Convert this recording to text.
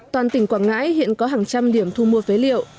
toàn tỉnh quảng ngãi hiện có hàng trăm điểm thu mua phế liệu